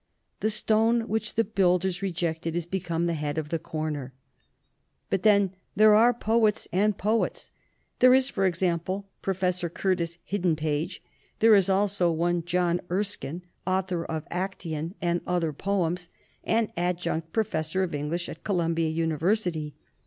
The stone which the builders re jected is become the head of the corner. But, then, there are poets and poets. There is, for example, Prof. Curtis Hidden Page. There is also one John Erskine, author of Act&on and Other Poems, and Adjunct Professor of English at Columbia University.